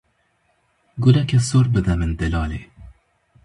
guleke sor bide min delalê.